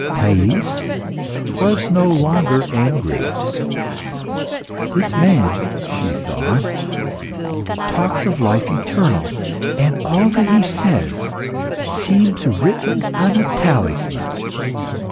Thais was no longer angry. "This man," she thought, "talks of life eternal and all that he says seems written on a talisman.